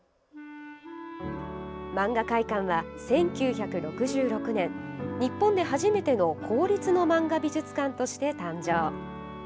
漫画会館は、１９６６年日本で初めての公立の漫画美術館として誕生。